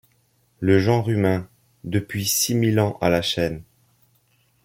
Le genre humain, depuis six mille ans à la chaîne